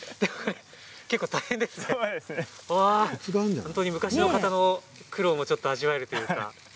本当に昔の方の苦労もちょっと味わえるというか。